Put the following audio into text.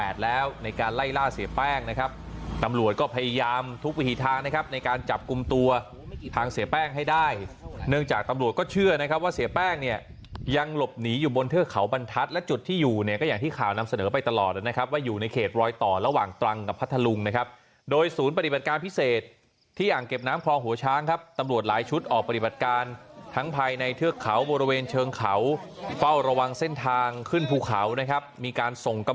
เสียแป้งเนี่ยยังหลบหนีอยู่บนเทือกเขาบรรทัดและจุดที่อยู่เนี่ยก็อย่างที่ข่าวนำเสนอไปตลอดนะครับว่าอยู่ในเขตรอยต่อระหว่างตรังกับพัทลุงนะครับโดยศูนย์ปฏิบัติการพิเศษที่อย่างเก็บน้ำคลองหัวช้างครับตำรวจหลายชุดออกปฏิบัติการทั้งภายในเทือกเขาบริเวณเชิงเขาเฝ้าระวังเส้นทางข